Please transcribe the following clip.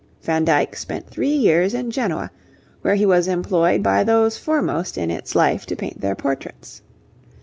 Van Dyck spent three years in Genoa, where he was employed by those foremost in its life to paint their portraits.